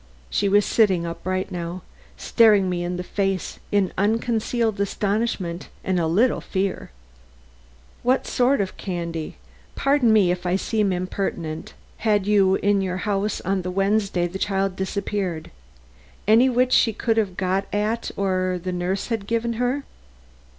She was sitting upright now, staring me in the face in unconcealed astonishment and a little fear. "What sort of candy pardon me if I seem impertinent had you in your house on the Wednesday the child disappeared? Any which she could have got at or the nurse given her?"